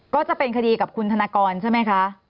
ก็จะเป็นคดีกับคุณธนกรใช่ไหมคะ